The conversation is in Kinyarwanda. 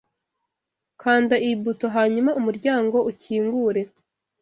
Kanda iyi buto hanyuma umuryango ukingure.